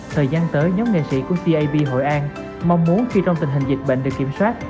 thời gian tới nhóm nghệ sĩ của tap hội an mong muốn khi trong tình hình dịch bệnh được kiểm soát